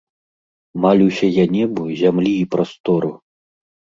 Малюся я небу, зямлі і прастору.